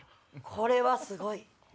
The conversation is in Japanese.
これはすごい！